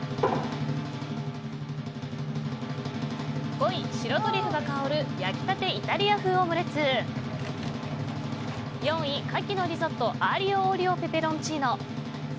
５位、白トリュフが香る、焼き立てイタリア風オムレツ４位、牡蠣のリゾットアーリオオーリオペペロンチーノ。